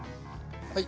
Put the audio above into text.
はい。